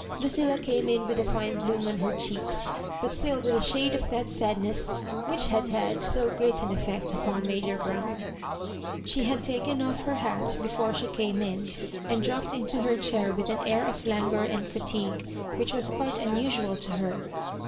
Lucilla came in with a flne bloom on her cheeks, but still with a shade of that sadness which had had so great an effect upon Major Brown. She had taken off her hat before she came in, and dropped into her chair with an air of languor and fatigue which was quite unusual to her.